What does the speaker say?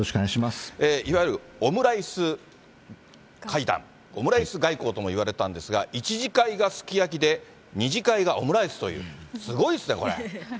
いわゆるオムライス会談、オムライス外交ともいわれたんですが、１次会がすき焼きで、２次会がオムライスという、すごいですね、これ。